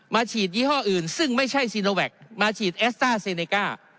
ฉีดยี่ห้ออื่นซึ่งไม่ใช่ซีโนแวคมาฉีดแอสต้าเซเนก้า